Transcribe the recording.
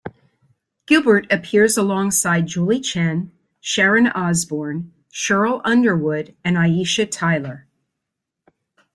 Gilbert appears alongside Julie Chen, Sharon Osbourne, Sheryl Underwood and Aisha Tyler.